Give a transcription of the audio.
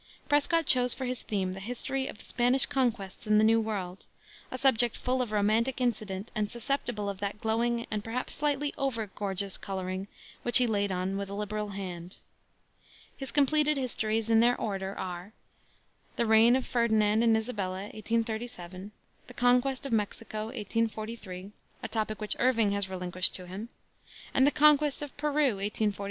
Prescott chose for his theme the history of the Spanish conquests in the New World, a subject full of romantic incident and susceptible of that glowing and perhaps slightly over gorgeous coloring which he laid on with a liberal hand. His completed histories, in their order, are the Reign of Ferdinand and Isabella, 1837; the Conquest of Mexico, 1843 a topic which Irving had relinquished to him; and the Conquest of Peru, 1847.